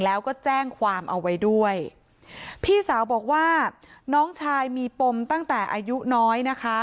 แล้วก็แจ้งความเอาไว้ด้วยพี่สาวบอกว่าน้องชายมีปมตั้งแต่อายุน้อยนะคะ